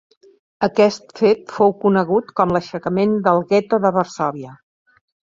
Aquest fet fou conegut com l'Aixecament del Gueto de Varsòvia.